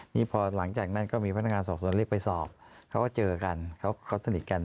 นี่พอหลังจากนั้นก็มีพนักงานสอบสวนเรียกไปสอบเขาก็เจอกันเขาสนิทกัน